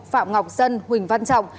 phạm ngọc dân huỳnh văn trọng